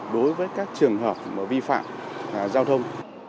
đối với các trường hợp vi phạm giao thông